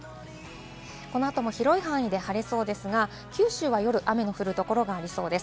この後も広い範囲で晴れそうですが、九州は夜、雨の降るところがありそうです。